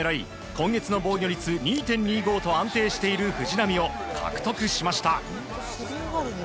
今月の防御率２．２５と安定している藤浪を獲得しました。